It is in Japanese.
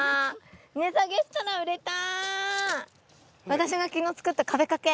私が昨日作った壁掛け。